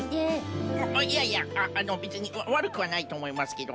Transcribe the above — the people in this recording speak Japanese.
いやいやべつにわるくはないとおもいますけど。